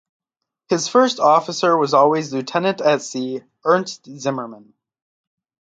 His first officer was always Lieutenant at Sea Ernst Zimmermann.